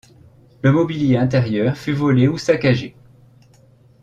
Le mobilier intérieur fut volé ou saccagé.